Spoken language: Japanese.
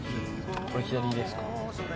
これ左ですか？